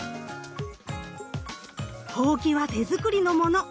ほうきは手作りのもの！